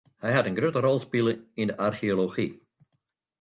Hy hat in grutte rol spile yn de archeology.